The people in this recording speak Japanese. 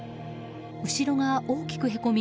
後ろが大きくへこみ